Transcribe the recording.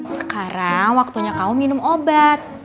sekarang waktunya kau minum obat